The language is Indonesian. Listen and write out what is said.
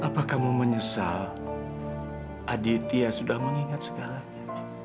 apa kamu menyesal aditya sudah mengingat segalanya